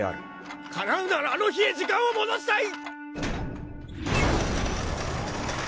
かなうならあの日へ時間を戻したい！